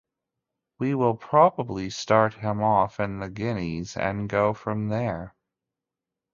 We will probably start him off in the Guineas and go from there.